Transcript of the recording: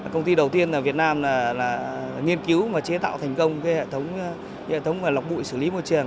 công ty đầu tiên ở việt nam nghiên cứu và chế tạo thành công hệ thống lọc bụi xử lý môi trường